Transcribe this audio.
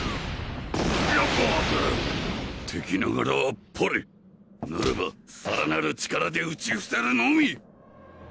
ランボーグ敵ながらあっぱれならばさらなる力で打ちふせるのみ！